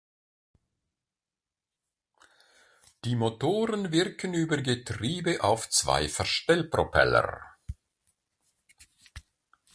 Die Motoren wirken über Getriebe auf zwei Verstellpropeller.